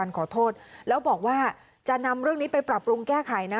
ขอโทษแล้วบอกว่าจะนำเรื่องนี้ไปปรับปรุงแก้ไขนะ